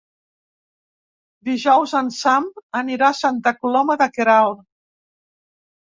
Dijous en Sam anirà a Santa Coloma de Queralt.